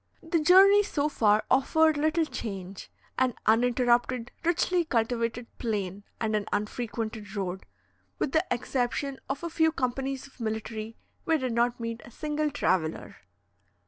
The journey so far offered little change, an uninterrupted richly cultivated plain and an unfrequented road. With the exception of a few companies of military, we did not meet a single traveller.